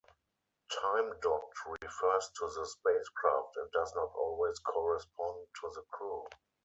"Time docked" refers to the spacecraft and does not always correspond to the crew.